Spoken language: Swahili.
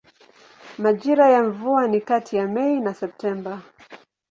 Majira ya mvua ni kati ya Mei na Septemba.